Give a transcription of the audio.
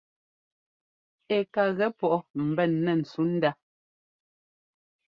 Ɛ ka gɛ pɔʼ mbɛn nɛ́ ntsǔnda.